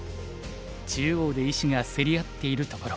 中央で石が競り合っているところ。